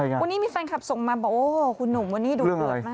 วันนี้มีแฟนคลับส่งมาขุนนุ่มวันนี้ดูดเดือดมาก